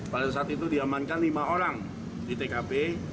pada saat itu diamankan lima orang di tkp